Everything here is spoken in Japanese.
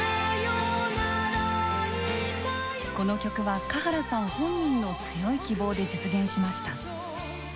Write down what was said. この曲は華原さん本人の強い希望で実現しました。